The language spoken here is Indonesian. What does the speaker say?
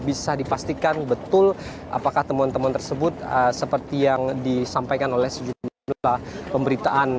dan bisa dipastikan betul apakah temuan teman tersebut seperti yang disampaikan oleh sejumlah pemberitaan